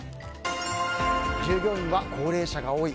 従業員は高齢者が多い。